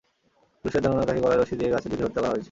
পুলিশের ধারণা, তাঁকে গলায় রশি দিয়ে গাছে ঝুলিয়ে হত্যা করা হয়েছে।